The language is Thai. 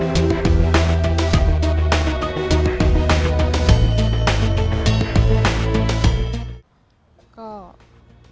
ดีใจในการที่สารตัดสินค้า